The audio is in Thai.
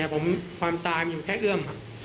ผมความตายมีแค่เอื้อม